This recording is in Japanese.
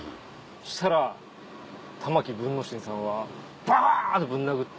そしたら玉木文之進さんはバゴン！ってぶん殴って。